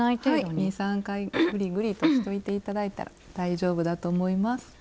はい２３回ぐりぐりとしといて頂いたら大丈夫だと思います。